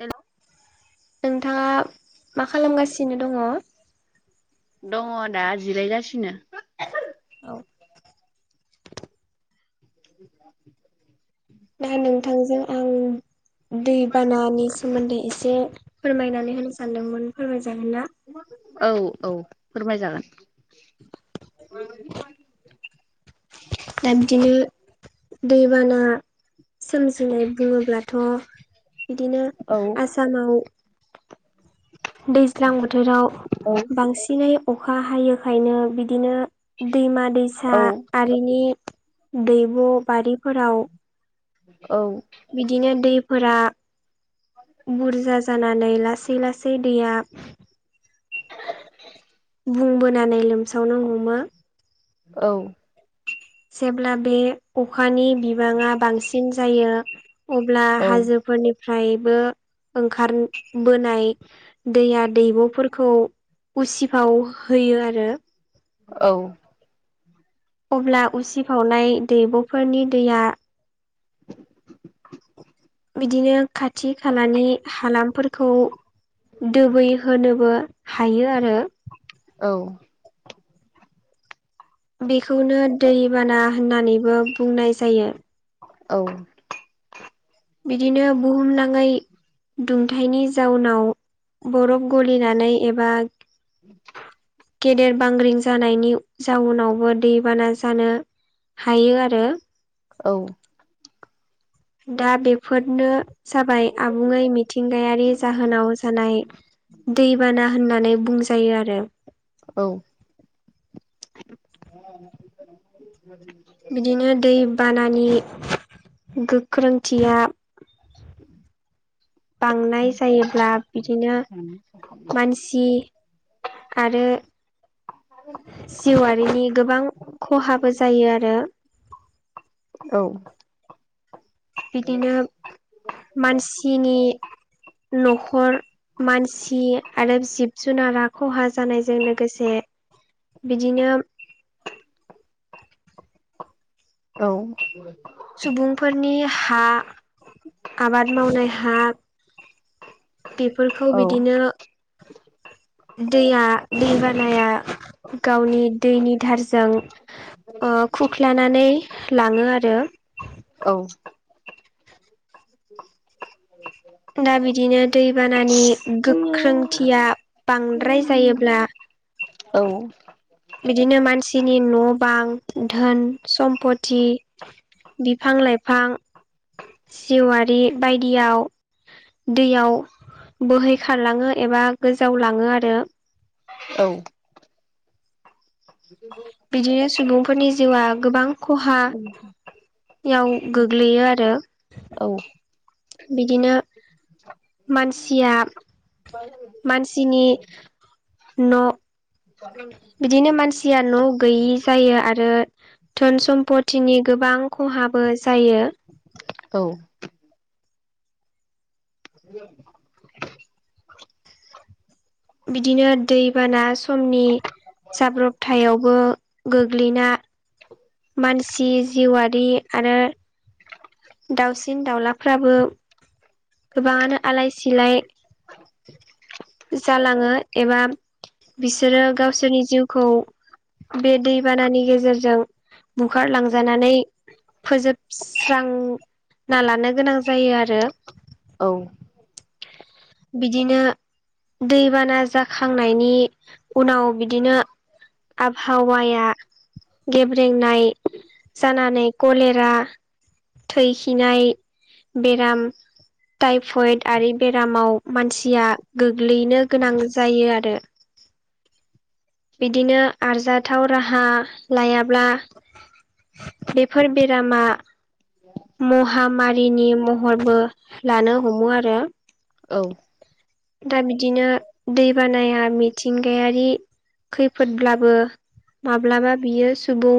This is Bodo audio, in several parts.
हेल नोंथाङा मा खालामगासिनो दंङो दङ दा जिरायगासिनो औ [inaudible] ना नोंथांजों आं दैबानानि सोमोन्दै एसे फोरमायनानै होनो सानदोंमोन फोरमायजागोन ना औ औ फोरमाय जागोन दा बिदिनो दैबाना सोमजिनाय बुङोब्लाथ' बिदिनो आसामाव दैज्लां बोथोराव बांसिनै अखा हायैखायनो बिदिनो दैमा दैसा आरिनि दैब' बारिफोराव औ बिदिनो दैफोरा बुरजा जानानै लासै लासै दैया बुंबोनानै लोमसावनो हमो औ जेब्ला बे अखानि बिबाङा बांसिन जायो अब्ला हाजोफोरनिफ्रायबो ओंखारबोनाय दैया दैब'फोरखौ उसिफाव होयो आरो औ अब्ला उसिफावनाय दैब'फोरनि दैया बिदिनो खाथि खालानि हालामफोरखौ दोबै होनोबो हायो आरो औ बेखौनो दैबाना होननानैबो बुंनाय जायो औ बिदिनो बुहुमनाङै दुंथायनि जाउनाव बरफ ग फैनानै एबा [inaudible] गेदेर बांग्रिं जानायनि जाउनावबो दैबाना जानो हायो आरो औ दा बेफोरनो जाबाय आबुङै मिथिंगायारि जाहोनाव जानाय दैबाना होननानै बुंजायो आरो औ बिदिनो दै बानानि गोख्रोंथिया [inaudible] बांनाय जायोब्ला बिदिनो मानसि आरो जिउआरारिनि गोबां खहाबो जायो आरो औ बिदिनो मानसिनि न'खर मानसि आरो जिब जुनारा खहा जानायजों लोगोसे बिदिनो औ सुबुंफोरनि हा आबाद मावनाय हा बेफोरखौ बिदिनो दैया दै बानाया गावनि दैनि थारजों ओ खुंख्लानानै लाङो आरो औ दा बिदिनो दैबानानि गोख्रोंथिया बांद्राय जायोब्ला औ बिदिनो मानसिनि न' बां धोन सम्पथि बिफां लाइफां जिवारि बायदियाव दैयाव बोहैखारलाङो एबा गोजावलाङो आरो [inaudible] बिदिनो सुबुंफोरनि जिउआ गोबां खहा याव गोग्लैयो आरो औ बिदिनो मानसिया मानसिनि न' ब बिदिनो मानसिया न' गैयि जायो आरो धोन सम्पतिनि गोबां खहाबो जायो औ [inaudible] बिदिनो दैबाना समनि जाब्रबथायावबो गोग्लैना मानसि जिउआरि आरो दाउसिन दाउलाफ्राबो गोबाङानो आलाय सिलाय जालाङो एबा बिसोरो गावसोरनि जिउखौ बे दैबानानि गेजेरजों बुखारलांजानानै फोजोबस्रांना लानो गोनां जायो आरो औ बिदिनो दैबाना जाखांनायनि उनाव बिदिनो आबहावाया गेब्रेंनाय जानानै कलेरा थैखिनाय बेराम टाइफयड आरि बेरामाव मानसिया गोग्लैनो गोनां जायो आरो बिदिनो आरजाथाव राहा लायाब्ला बेफोर बेरामा महामारिनि महरबो लानो हमो आरो औ दा बिदिनो दैबानाया मिथिंगायारि खैफोदब्लाबो माब्लाबा बियो सुबुं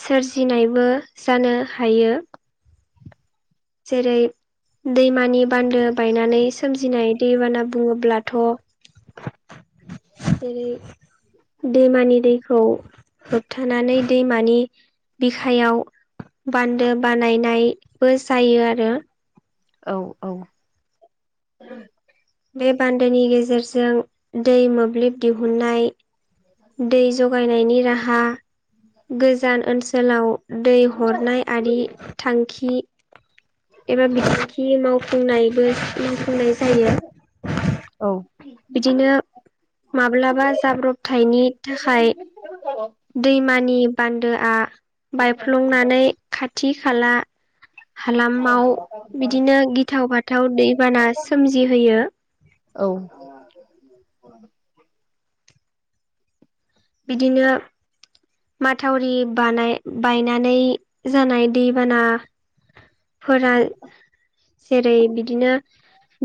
सोरजिनायबो जानो हायो जेरै दैमानि बान्दो बायनानै सोमजिनाय दैबाना बुङोब्लाथ' जेरै दैमानि दैखौ होबथानानै दैमानि बिखायाव बान्दो बानायनायबो जायो आरो। औ औ। बे बान्दोनि गेजेरजों दै मोब्लिब दिहुननाय दै जगायनायनि राहा गोजान ओनसोलाव दै हरनाय आरि थांखि एबा बिथिंखि मावफुंनायबो मावफुंनाय जायो। औ। बिदिनो माब्लाबा जाब्रथायनि थाखाय दैमानि बान्दोआ बायफ्लंनानै खाथि खाला हालामाव बिदिनो गिथाव बाथाव दैबाना सोमजिहोयो। औ बिदिनो माथावरि बानाय बायनानै जानाय दैबाना फोर जेरै बिदिनो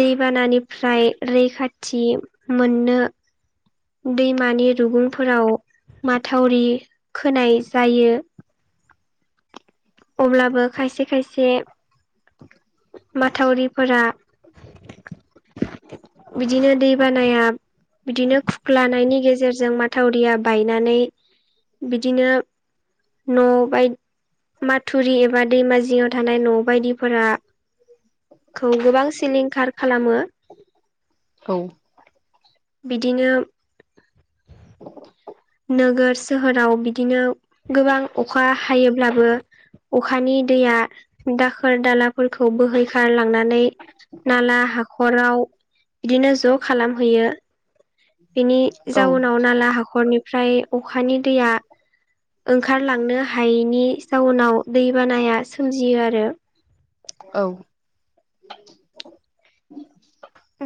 दैबानानिफ्राय रैखाथि मोननो दैमानि रुगुंफोराव माथावरि खोनाय जायो। अब्लाबो खायसे खायसे माथावरिफोरा बिदिनो दै बानाया बिदिनो खुख्लानायनि गेजेरजों माथावरिया बायनानै बिदिनो न' बाय माथुरि एबा दैमा जिङाव थानाय न' बायदिफोरा खौ गोबां सिलिंखार खालामो। औ। बिदिनो नोगोर सोहोराव बिदिनो गोबां अखा हायोब्लाबो अखानि दैया दाखोर दालाफोरखौ बोहैखारलांनानै नाला हाखराव बिदिनो ज' खालामहैयो बिनि जाउनाव नाला हाखरनिफ्राय अखानि दैया ओंखारलांनो हायैनि जाउनाव दैबानाया सोमजियो आरो औ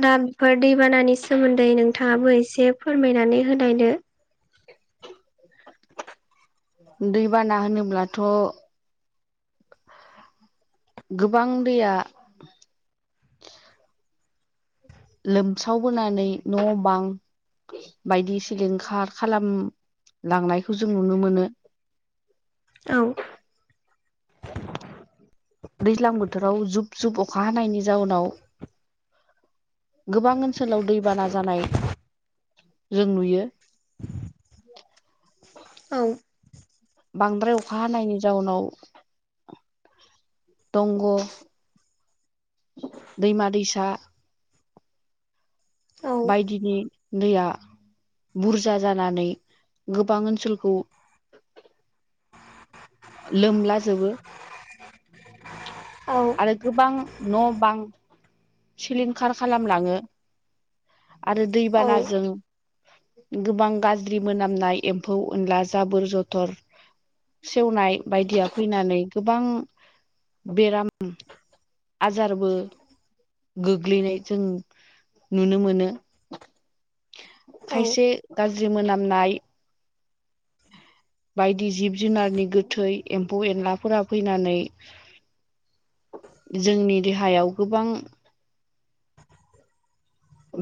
दा बेफोर दैबानानि सोमोन्दै नोंथाङाबो एसे फोरमायनानै होनोलायदो दैबाना होनोब्लाथ' गोबां दैया लोमसावबोनानै न' बां बायदि सिलिंखार खालामलांनायखौ जों नुनो मोनो। औ। दैज्लां बोथोराव जुब जुब अखा हानायनि जाउनाव गोबां ओनसोलाव दैबाना जानाय जों नुयो। औ। बांद्राय अखा हानायनि जाउनाव दंग' दैमा -दैसा औ बायदिनि दैया बुरजा जानानै गोबां ओनसोलखौ लोमला जोबो। औ आरो गोबां न' बां सिलिंखार खालामलाङो आरो दैबानाजों गोबां गाज्रि मोनामनाय एम्फौ अनला जाबोर जथर सेवनाय बायदिया फैनानै गोबां बेराम आजारबो गोग्लैनाय जों नुनो मोनो। औ खायसे गाज्रि मोनामनाय बायदि जिब जुनारनि गोथै एम्फौ एनलाफोरा फैनानै [inaudible] जोंनि देहायाव गोबां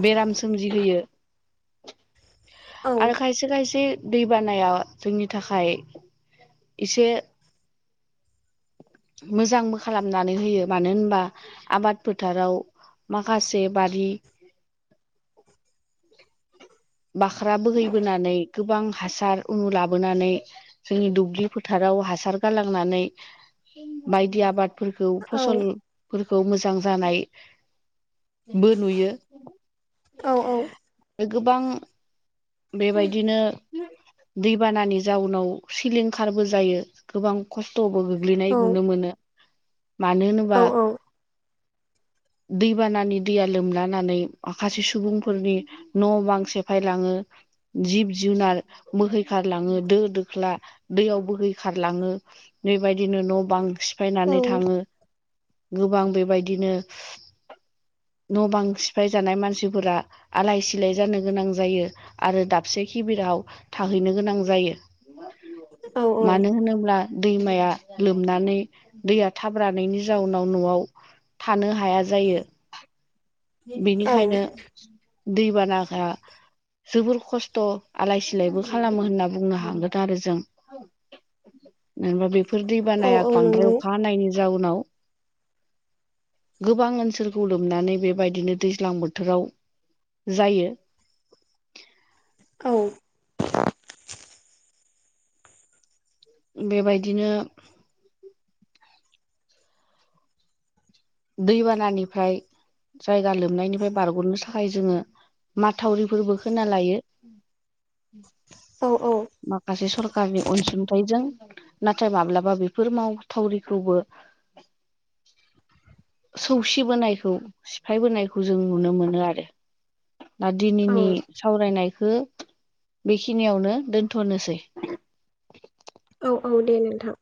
बेराम सोमजिहोयो औ आरो खायसे खायसे दैबानाया जोंनि थाखाय एसे मोजांबो खालामनानै होयो मानो होनबा आबाद फोथाराव माखासे बारि बाख्रा बोहैबोनानै गोबां हासार उनु लाबोनानै जोंनि दुब्लि फोथाराव हासार गालांनानै बायदि आबाद फोरखौ फसलफोरखौ मोजां जानायबो नुयो औ गोबां बेबायदिनो दैबानानि जाउनाव सिलिंखारबो जायो गोबां खस्थ'बो गोग्लैनाय औ नुनो मोनो मानो औ होनोबा [inaudible] दैबानानि दैया लोमलानानै माखासे सुबुंफोरनि न' बांसे सेफायलाङो जिब जुनार बोहैखारलाङो दो दोख्ला दैयाव बोहैखारलाङो बेबायदिनो न' बां औ सिफायनानै थाङो गोबां बेबायदिनो न' बां सिफाय जानाय मानसिफोरा आलाय सिलाय जानो गोनां जायो आरो दाबसे खिबिराव थाहैनो गोनां जायो औ मानो होनोब्ला दैमाया लोमनानै दैया थाब रानैनि जाउनाव न'आव थानो हाया जायो औ बिनिखायनो दैबाना जोबोर खस्थ' आलाय सिलायबो खालामो होनना बुंनो हागोन आरो जों मानोहोनोबा बेफोर औ दैबानाया औ बांद्राय नंगौ अखा हानायनि जाउनाव गोबां ओनसोलखौ लोमनानै बेबायदिनो दैज्लां बोथोराव जायो औ बेबायदिनो दैबानानिफ्राय जायगा लोमनायनिफ्राय बारग'नो थाखाय जोङो माथावरिफोरबो खोना लायो औ औ माखासे सरखारनि अनसुंथाइजों नाथाय माब्लाबा बेफोर मावथावरिखौबो सौसि बोनायखौ सिफाय बोनायखौ जों नुनो मोनो आरो दा औ दिनैनि सावरायनायखौ बेखिनियावनो दोनथ'नोसै औ औ दे नोंथां